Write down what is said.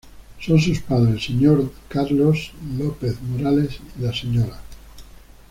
Son sus padres el Sr. Carlos D. López Morales y la Sra.